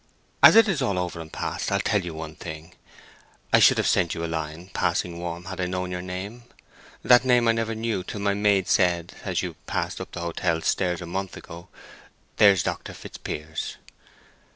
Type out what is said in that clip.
As it is all over and past I'll tell you one thing: I should have sent you a line passing warm had I known your name. That name I never knew till my maid said, as you passed up the hotel stairs a month ago, 'There's Dr. Fitzpiers.